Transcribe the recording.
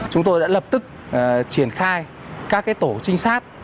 chúng tôi đã lập tức triển khai các tổ trinh sát